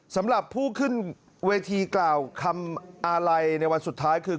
สำหรับผู้ขึ้นเวทีกล่าวคำอาลัยในวันสุดท้ายคือ